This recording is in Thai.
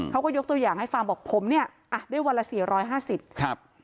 เขาก็ยกตัวอย่างให้ฟังบอกผมเนี่ยได้วันละ๔๕๐บาท